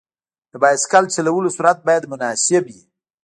د بایسکل چلولو سرعت باید مناسب وي.